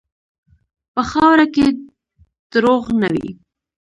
په خاوره کې دروغ نه وي.